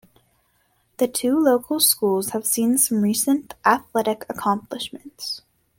The two local schools have seen some recent athletic accomplishments.